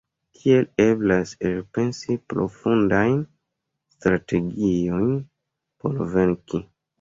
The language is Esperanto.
Tiel eblas elpensi profundajn strategiojn por venki.